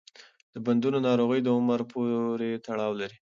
د بندونو ناروغي د عمر پورې تړاو لري.